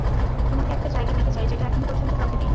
তোমাকে একটা জায়গা দিতে চাই, যেটা এখন পর্যন্ত কাউকে দেইনি।